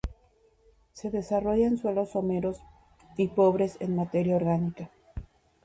Se desarrolla en suelos someros y pobres en materia orgánica.